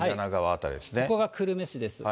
ここが久留米市です。